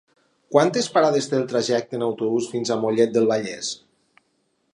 Quantes parades té el trajecte en autobús fins a Mollet del Vallès?